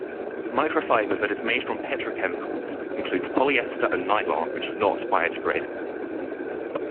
Microfiber that is made from petrochemicals includes polyester and nylon which are not biodegradable.